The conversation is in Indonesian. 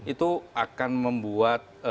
itu akan membuat